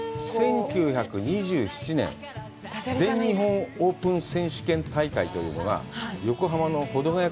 １９２７年、全日本オープンゴルフ選手権大会というのが横浜の程ヶ谷